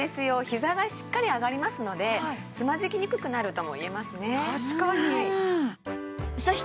ひざがしっかり上がりますのでつまずきにくくなるとも言えますね。